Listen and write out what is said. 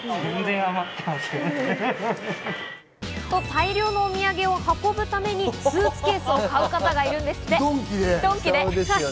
大量のお土産を運ぶためにスーツケースを買う方がいるんですって、ドンキで。